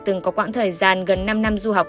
từng có quãng thời gian gần năm năm du học